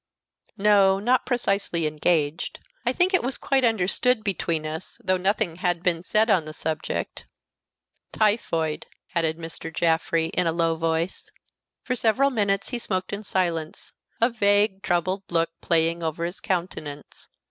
"No, not precisely engaged. I think it was quite understood between us, though nothing had been said on the subject. Typhoid," added Mr. Jaffrey, in a low voice. For several minutes he smoked in silence, a vague, troubled look playing over his countenance.